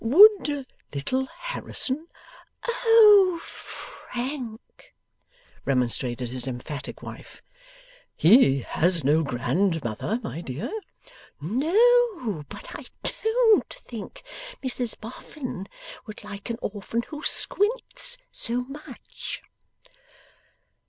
Would little Harrison ' 'Oh, FRANK!' remonstrated his emphatic wife. 'He has no grandmother, my dear.' 'No, but I DON'T think Mrs Boffin would like an orphan who squints so MUCH.